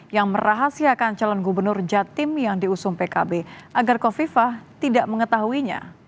yang merahasiakan calon gubernur jatim yang diusung pkb agar kofifah tidak mengetahuinya